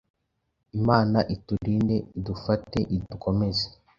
imana iturinde idufate idukomeze